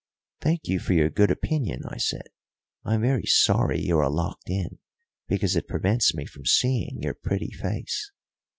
"Thank you for your good opinion," I said. "I am very sorry you are locked in, because it prevents me from seeing your pretty face."